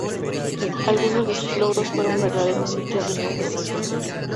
Algunos de sus logros fueron verdaderos hitos de progreso.